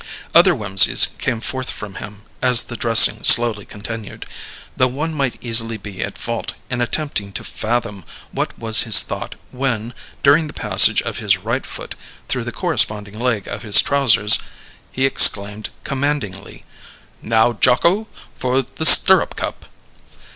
Other whimsies came forth from him as the dressing slowly continued, though one might easily be at fault in attempting to fathom what was his thought when, during the passage of his right foot through the corresponding leg of his trousers, he exclaimed commandingly: "Now, Jocko, for the stirrup cup!"